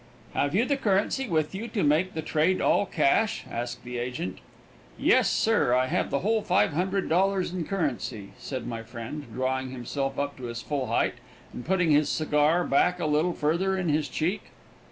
"Have you the currency with you to make the trade all cash?" asked the agent. "Yes, sir, I have the whole $500 in currency," said my friend, drawing himself up to his full height and putting his cigar back a little further in his cheek.